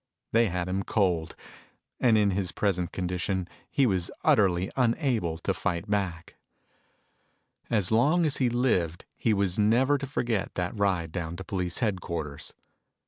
They had him cold, and in his present condition he was utterly unable to fight back. As long as he lived he was never to forget that ride down to police headquarters.